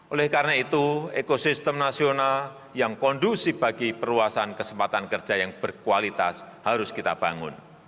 oleh karena itu ekosistem nasional yang kondusif bagi perluasan kesempatan kerja yang berkualitas harus kita bangun